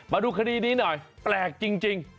มาดูคดีนี้หน่อยแปลกจริง